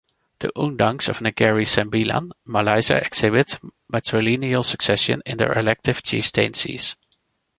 The Undangs of Negeri Sembilan, Malaysia exhibit matrilineal succession in their elective chieftaincies.